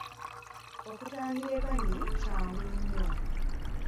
Okutangira ebbanyi kyangu nnyo